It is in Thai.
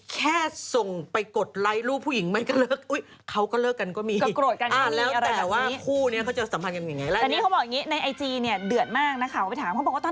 แค่ส่งไปกดไลค์รูปผู้หญิงมันก็เลิก